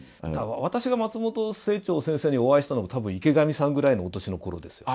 私が松本清張先生にお会いしたのも多分池上さんぐらいのお年の頃ですよ